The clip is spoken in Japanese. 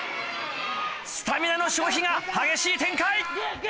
スタミナの消費が激しい展開。